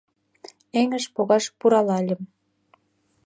Эҥыж погаш пуралальым.